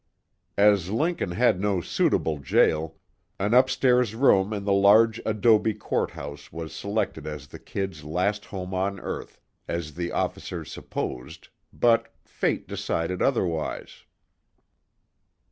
As Lincoln had no suitable jail, an upstairs room in the large adobe Court House was selected as the "Kid's" last home on earth as the officers supposed, but fate decided otherwise.